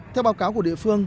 theo báo cáo của địa phương